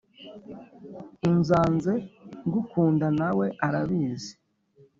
unzanze ngukunda nawe urabizi